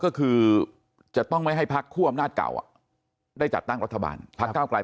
ก็คือจะต้องไม่ให้พักคู่อำนาจเก่าได้จัดตั้งรัฐบาลพักเก้าไกล